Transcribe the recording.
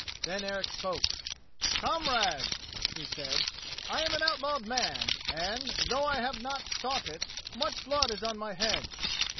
Then Eric spoke. "Comrades," he said, "I am an outlawed man, and, though I have not sought it, much blood is on my head.